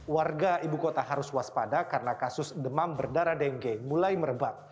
warga ibu kota harus waspada karena kasus demam berdarah dengue mulai merebak